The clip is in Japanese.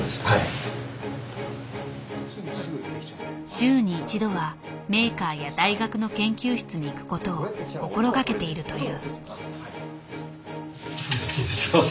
週に１度はメーカーや大学の研究室に行く事を心掛けているという。